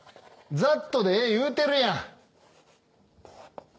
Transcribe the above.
ざっとでええ言うてるやん。